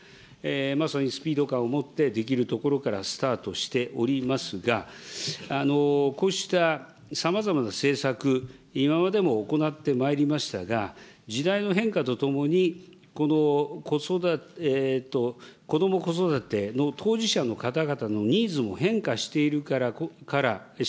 まさにスピード感を持って、できるところからスタートしておりますが、こうしたさまざまな政策、今までも行ってまいりましたが、時代の変化とともに、このこども・子育ての当事者の方々のニーズも変化しているからし